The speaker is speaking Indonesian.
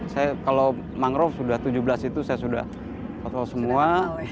saya kalau mangrove sudah tujuh belas itu saya sudah kotor semua